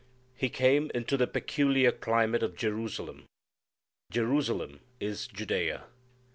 He came into the peculiar climate of Jerusalem. Jerusalem is Judea.